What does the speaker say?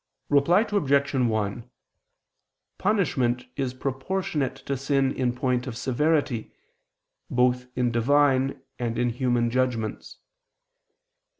Reply Obj. 1: Punishment is proportionate to sin in point of severity, both in Divine and in human judgments.